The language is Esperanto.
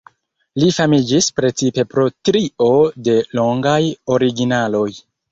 Li famiĝis precipe pro trio de longaj originaloj.